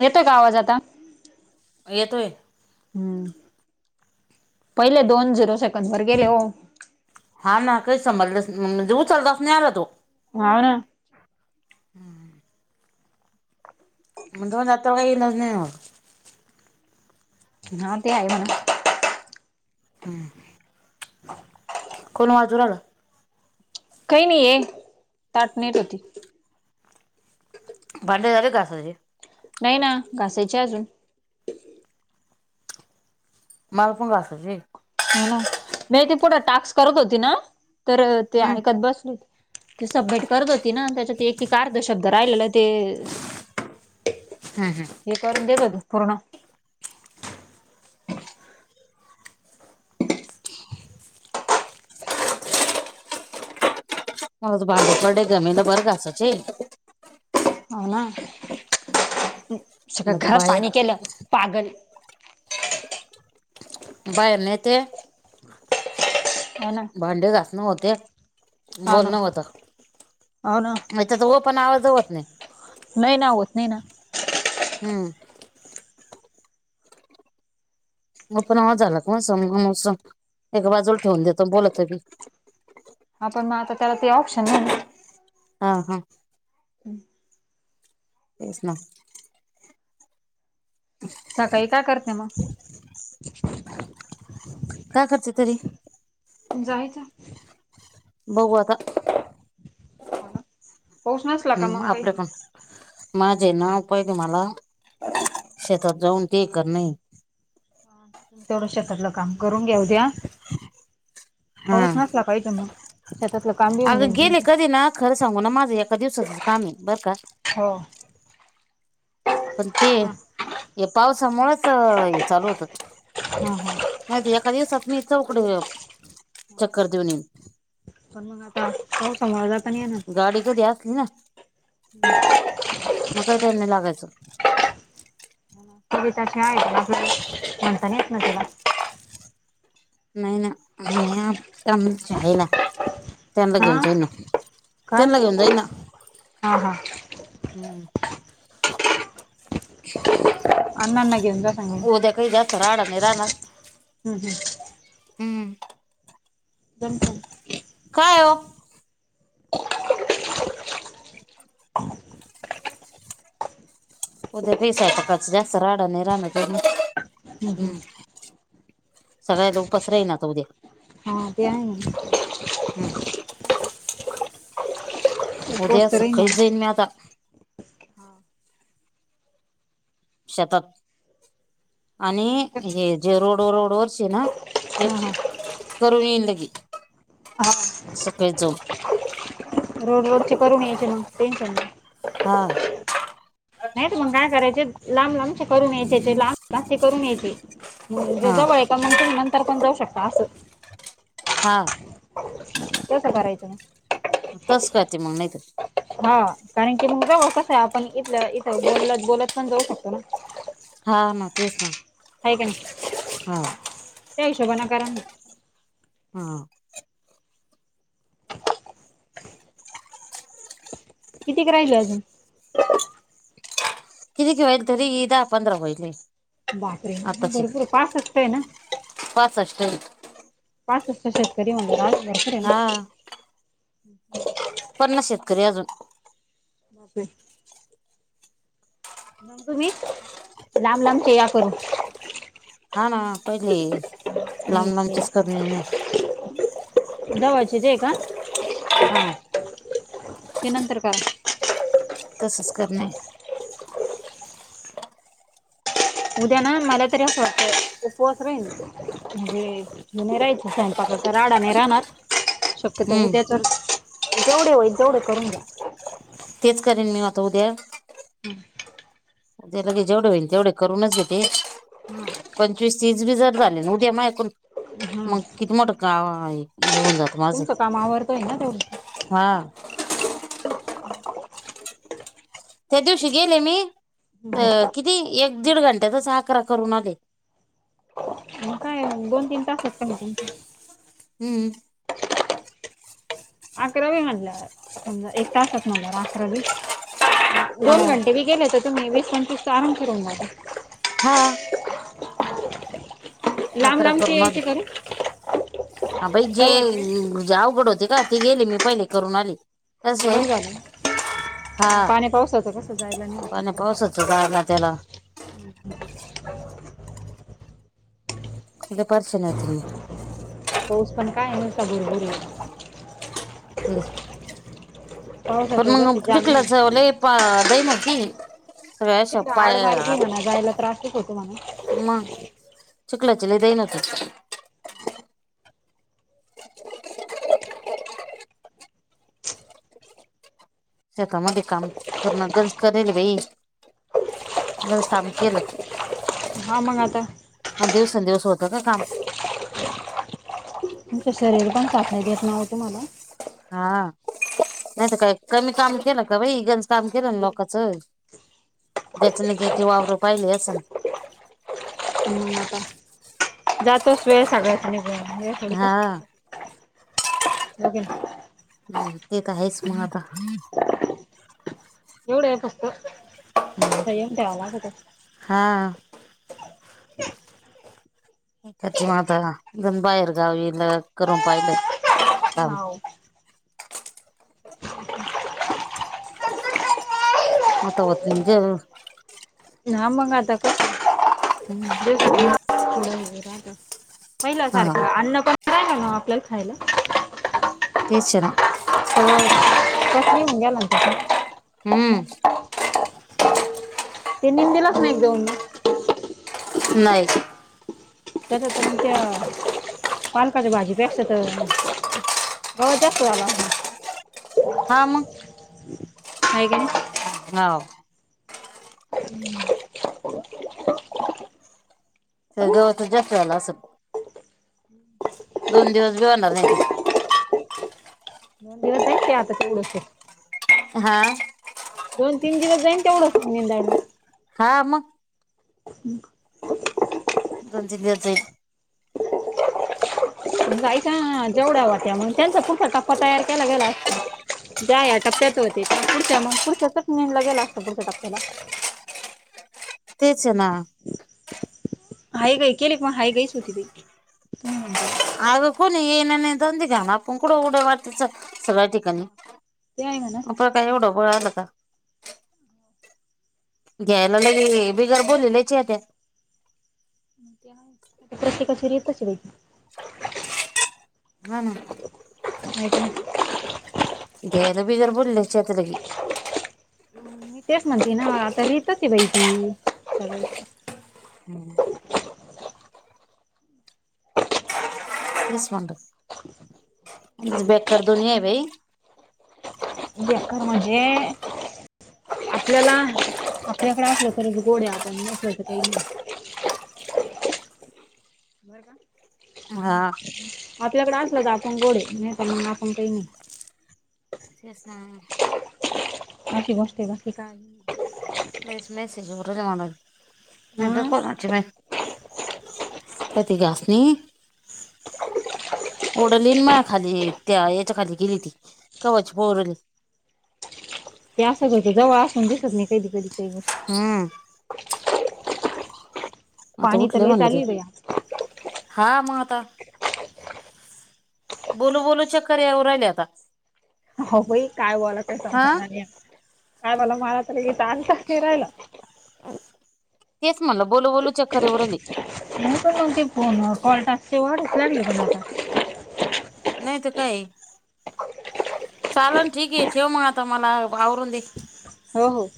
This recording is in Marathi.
येतोय का आवाज आता? येतोय. हम्म, पहिले दोन झिरो सेकंदवर गेले हो. हां ना काही समजलेच अम्म म्हणजे उचलताच नाही आला तो. हाव ना. [unintelligible] हां ते आहे म्हणा. हम्म कोण वाजू [unintelligible] काही नाही ये ताट नेत होती. भांडे झाले घासायचे? नाही ना घासायचे अजून. मला पण घासायचे. हो ना, मी ते पुढं टास्क करत होती ना, तर ते हम्म ऐकत बसले होती. ते सबमिट करत होती ना त्याच्यात एक एक अर्ध शब्द राहिलेलं ते हां हां. हे करून [unintelligible] पूर्ण. माझं भांड पडले घमेलभरं घासायचे. हो ना [unintelligible] सगळं मग तर घरात पाणी बाहेर केल्या पागल. बाहेर नेते हो ना भांडे घासण होते. हो ना बोलणं होतं हो ना ह्याच्यात ओपन आवाज होत नाही. नाही ना होत नाही ना. हम्म. ओपन आवाज झाला मग [unintelligible] एका बाजूला ठेवून देतो बोलतो बी. हां पण मग आता त्याला ते ऑप्शन नाही ना. हां हां. हम्म. तेच ना. सकाळी का करत नाही मग? [unintelligible] जायचं? बघू आता. [unintelligible] नसला का हम्म मग काही आपलं पण. माझे [unintelligible] मला शेतात जाऊन ते करण हे. तेवढं शेतातलं काम करून घ्या द्या हा पाऊस नसला पाहिजे मग. शेतातलं काम बी होऊन अगं जाईल गेले तुमचं कधी ना खरं सांगू ना माझं एका दिवसाचच काम हे बरं का? हो. पण ते हा हे पावसामुळच हे चालू होतं. हां हां. [unintelligible] ऐका दिवसात मी चौकडं चक्कर देऊन येईन. पण मग आता पावसामुळं जाता नाही येणार. [unintelligible] कधी असली ना मग काय टाइम नाही लागायचं. तुम्ही कशा [unintelligible] म्हणता नाही येत ना त्याला. नाही ना मी [unintelligible] त्यांना घेऊन जाईल हा ना. त्यांना घेऊन जाईन काय? ना हां हां. हम्म. [unintelligible] अण्णांना घेऊन जा सांगून उद्या काही जास्त राडा नाही राहणार. हम्म हम्म. हम्म. [unintelligible] काय ओ? उद्या काही सयपाकाचा जास्त राडा नाही राहणार बरं, हम्म हम्म हं. सगळ्यांला उपास राहीन आता उद्या. हा ते आहे ना. हम्म. उद्या उपवास तर राहील सकळीच मग जाईन मी आता शेतात, आणि हे हा जे रोड रोड वरचे ना हा करून येईन लगे, हा सकाळीच जाऊन. रोड रोडचे करून यायचे मग टेन्शन नाही. हां. नाही तर मग काय करायचे, लांब लांबचे करून यायचे, ते लांब लांब ते करून यायचे. ज्या हा जवळय का म्हं तुम्ही नंतर पण जाऊ शकता असं. हां. तसं करायचं ना. तसं करते मग नाहीतर. हां, कारण की मग जवळ कसं आहे, आपण इथलं इथ बोल बोलत पण जाऊ शकतो ना. हां ना तेच ना. हाय क नाही. हां. त्या हिशोबानं करा ना. हां. कितीक राहिले अजून.? किती क होईल, तरी दा पंधरा होईले. बापरे, भरपूर पासष्ट आहे ना. पासष्ट. पासष्ट शेतकरी म्हणल्यावर आजून बरपुर आहे हा ना. [inaudible] पन्नास शेतकरी ए अजून. [unintelligible] मंग तुम्ही, लांब लांब चेया करून. हा ना पहिले, आणि लांब लांबचेच करून येने. [unintelligible] जवळचे हां हां. ते नंतर करा. तसंच करणे. उद्या ना मला तरी वाटतं, उपवास राहील, म्हणजे मी नाही राली तर स्वयंपाकाचा राडा नाही राहणार, शक्य आता हम्म उद्या तर, जेवढे होईल तेवढे करून घ्या. तेच करेन मी आता उद्या. जे लगेच जेवढे होईल तेवढे करूनच घेते. हा पंचवीस तीस बी जर झाले ना उद्या मायकून हा मंग किती मोठं का, ये होऊन जात माझं, तुमचं काम आवरतोय ना तेवढं हा. त्या दिवशी गेले मी, किती एक दीड घंट्यातच अकरा करून आले. मग काय दोन तीन तास होतय म हम्म. ते रवी म्हणलं एक तासात अकरा बी हा दोन घंटे बी गेले तर सारण [unintelligible] हा. [unintelligible] लांब अकरा लांबचे करून आले यायचे करू बाई जे जवळचे अवघड होते का? ते गेले मी पहिले करून आली बरं झालं. हा [unintelligible] पाणी पावसाचं कस जायला मिळत पाण्या पावसाचं जायला नाही. त्याला [unintelligible] दुपारचं नाही तर मग. [unintelligible] पाऊस पण काय आहे नुसा घुरबुरी [unintelligible] तेच पण पावसाचं मग जसं जाण नाही चिखलाचा लय [unintelligible] पा दईना होती सगळ्या पाय [unintelligible] जायाला त्रासच होतो म्हणा. मग चिखलाची लई दैना होते. [unintelligible] शेतामध्ये काम करणं गरज करेल बाई गर काम केलं हा मग आता? मग दिवसेंदिवस होतं का काम. तुमचं शरीर पण साथ नाही देत ना हो तुम्हाला? हा. नाहीत काय कमी काम केलं का बाई इगणज [unintelligible] काम केलं ना लोकांचं. ज्याच ना [unintelligible] जची वावरं पाहिले असंल ना. मग आता जातोच वेळ सगळ्याचा. हा [unintelligible] हो की नाही. [unintelligible] हम्म ते त आहेच मग आता. एवढं आहे फक्त सगळ्यांची हालतच [unintelligible] आहे. हा. [unintelligible] बाहेर गावी करून पाहिले काम हाव. आता होत [unintelligible] नाही. हा मग आता कसं? [unintelligible] हम्म. [unintelligible] पहिला हा सारखं अन्न पण य ना ना आपल्याला खायला [unintelligible] तेच ना हो [unintelligible] हम्म. तीन तीन दिलास नाही एक जाऊन मग. नाही. त्यासं तमच्या पालकाच्या भाजी पेक्क्षा तर हो जास्त झाला. हा मग? हाय कि नाही? हाव. हम्म [unintelligible] गवतच जास्त झाला असं दोन दिवस भी होणार नाही त की आता थोडंसं हा. दोन तीन दिवस जाईन तेवढंचं बेंदायला हा मग? हम्म [unintelligible] दोन-तीन दिवस जाईल. काय का जेवढ्या वात्या म्हणून त्यांचा पुढचा टप्पा तयार केला गेला अस ज्या या टप्प्यात होते त्या पुढच्या मग पुढच्याचाच नेनला गेला असतं पुढच्या टप्प्याला. तेच ना. हाय गई केली पण हाय गई सु होती ग तुअसं म्हणता बा अगं कोणी ये ना नाही द घ्या ना आपण कुडं उड वाटतच सगळ्या ठिकाणी ते आहे म्हना आता काय एवढं पळा आला का. घ्यायला लगे बिगर बोलवल्याची येतात. प्रत्येकाची रीतच वेगळी. हा ना. ऐका [unintelligible] घ्यायला बिगर बोलववल्याची येता लगे [unintelligible] मी तेच म्हणते ना आता रीतच आहे बाई ती हम्म [unintelligible] तेच म्हणलं बेकार दुनिया आहे बाई बेकार म्हणजे आपल्याला आपल्याकडे असलं तरच गोड्या आपण नसल्याच काही नाही बर का हा. आपल्याकडे असल तर आपण गोड आहे नाहीतर काही नाही. तेच ना. अशी गोष्ट आहे बाकी काही नाहितर हा कोणाची [unintelligible] का ति आस नाही ओडली म खाली त्या याच्या खाली गेली ती कवच पोरल ते असत होतं जवळ असून दिसत नाही कधी कधी काही गोष्टी. हम्. आता पाणी तर उठलेय लय म्हणलं चालू ते आहे बाई हा मग आता बोलू बोलू चक्कर येऊ राहिले आता. हो बाई काय बोलायचं समजत हा नाही नाही बोलू [unintelligible] तेच म्हणलं बोलू बोलु चक्कर येऊ राहिली. काँल [unintelligible] नाही तर काय चाल न ठीक आहे ठेव मग आता मला आवरून दे. हो हो.